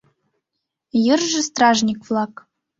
Йырже стражник-влак.